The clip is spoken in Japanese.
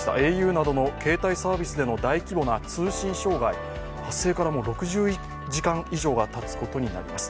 ａｕなどの携帯サービスでの大規模な通信障害、発生から６０時間以上がたつことになります。